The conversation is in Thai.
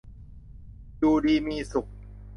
อยู่ดีมีสุข